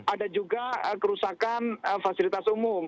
ada juga kerusakan fasilitas umum